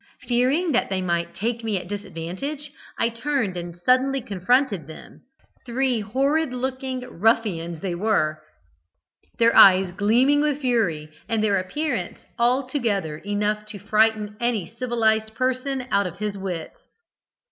Fearing that they might take me at disadvantage, I turned and suddenly confronted them three horrid looking ruffians they were their eyes gleaming with fury, and their appearance altogether enough to frighten any civilised person out of his wits.